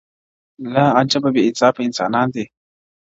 لاعجبه بې انصافه انسانان دي -